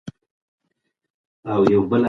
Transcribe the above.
که د کوټې ور خلاص شي، ماشوم به په منډه بیرته راشي.